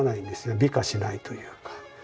美化しないというか。